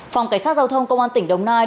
phòng cảnh sát giao thông công an tỉnh đồng nai